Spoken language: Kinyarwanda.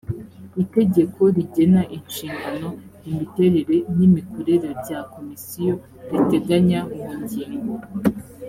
itegeko rigena inshingano imiterere n imikorere bya komisiyo riteganya mu ngingo